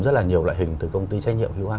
rất là nhiều loại hình từ công ty trách nhiệm